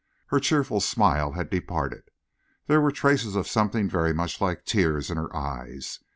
Her cheerful smile had departed. There were traces of something very much like tears in her eyes.